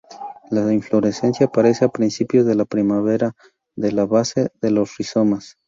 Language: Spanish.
La inflorescencia aparece a principios de la primavera de la base de los rizomas.